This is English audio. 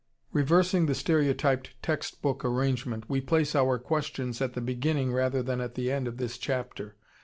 Reversing the stereotyped text book arrangement, we place our questions at the beginning rather than at the end of this chapter.